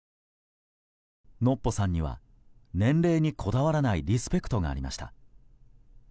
ノッポさんには年齢にこだわらないリスペクトがありました。